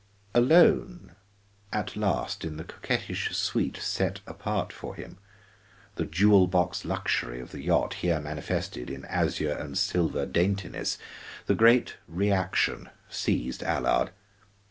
Alone at last in the coquettish suite set apart for him the jewel box luxury of the yacht here manifested in azure and silver daintiness the great reaction seized Allard.